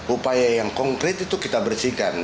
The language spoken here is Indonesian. upaya yang konkret itu kita bersihkan